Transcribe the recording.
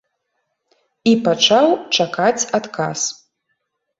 І пачаў чакаць адказ.